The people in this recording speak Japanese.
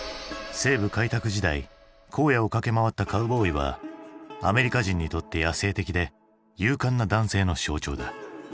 西部開拓時代荒野を駆け回ったカウボーイはアメリカ人にとって野性的で勇敢な男性の象徴だ。